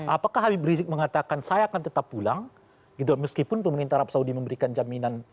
apakah habib rizik mengatakan saya akan tetap pulang meskipun pemerintah arab saudi memberikan jaminan